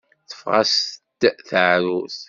Teffeɣ-as-d teɛrurt.